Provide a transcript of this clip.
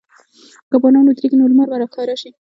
که باران ودریږي، نو لمر به راښکاره شي.